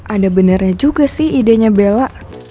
ada benarnya juga sih idenya bella